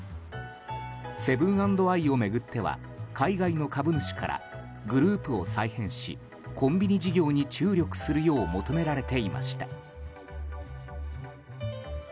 セブン＆アイを巡っては海外の株主からグループを再編しコンビニ事業に注力するよう求められていました。